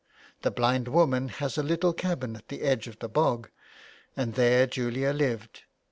The blind woman has a little cabin at the edge of the bog, and there Julia lived.